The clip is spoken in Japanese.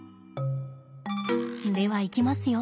ではいきますよ。